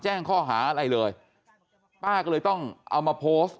แจ้งข้อหาอะไรเลยป้าก็เลยต้องเอามาโพสต์